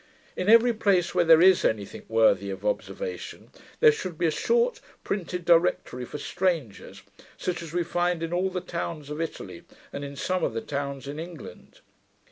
In every place, where there is any thing worthy of observation, there should be a short printed directory for strangers, such as we find in all the towns of Italy, and in some of the towns in England.